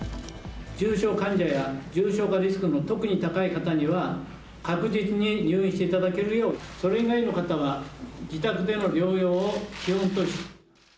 重症患者や重症化リスクの特に高い方には、確実に入院していただけるよう、それ以外の方は自宅での療養を基本とし。